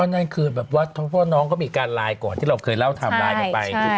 ตอนนั้นคือแบบว่าเพราะว่าน้องเขามีการไลน์ก่อนที่เราเคยเล่าทำไลน์ต่อไป